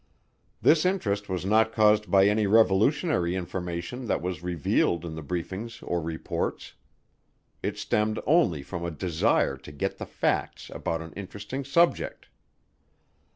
This interest was not caused by any revolutionary information that was revealed in the briefings or reports. It stemmed only from a desire to get the facts about an interesting subject.